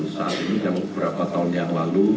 saat ini dan beberapa tahun yang lalu